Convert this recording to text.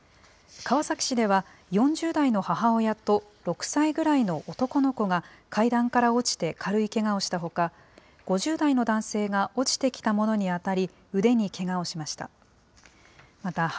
川崎市では、４０代の母親と６歳ぐらいの男の子が階段から落ちて軽いけがをしたほか、５０代の男性が落ちてきたものに当たり、腕にけがをしました。